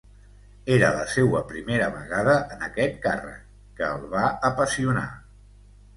Era la seua primera vegada en aquest càrrec, que el va apassionar.